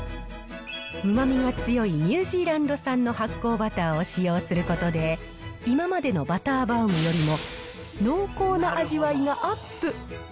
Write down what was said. うまみが強いニュージーランド産の発酵バターを使用することで、今までのバターバウムよりも、濃厚な味わいがアップ。